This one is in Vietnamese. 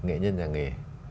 nghệ nhân nhà nghề